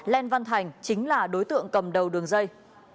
lê văn thành chính là đối tượng cầm đầu đường dây